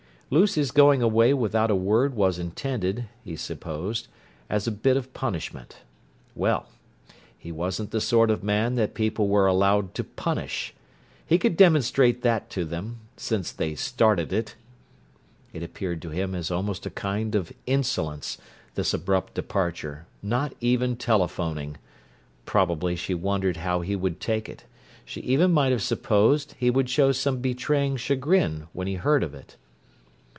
Lucy's going away without a word was intended, he supposed, as a bit of punishment. Well, he wasn't the sort of man that people were allowed to punish: he could demonstrate that to them—since they started it! It appeared to him as almost a kind of insolence, this abrupt departure—not even telephoning! Probably she wondered how he would take it; she even might have supposed he would show some betraying chagrin when he heard of it.